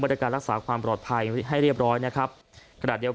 บรรยากาศรักษาความปลอดภัยให้เรียบร้อยนะครับกระดาษเดียว